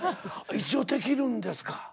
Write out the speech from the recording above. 一応できるんですか。